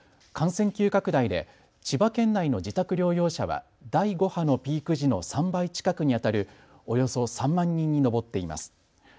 感染急拡大で千葉県内の自宅療養者は第５波のピーク時の３倍近くにあたるおよそ３万人に上っています。